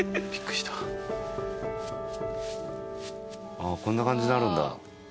ああこんな感じになるんだ。